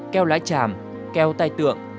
keo lái chảm keo tay tượng